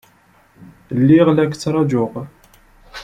Lliɣ la k-ttṛajuɣ.